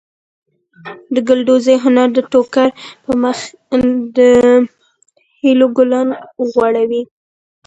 د ګلدوزۍ هنر د ټوکر پر مخ د هیلو ګلان غوړوي.